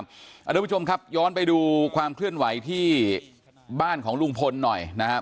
คุณผู้ชมครับย้อนไปดูความเคลื่อนไหวที่บ้านของลุงพลหน่อยนะครับ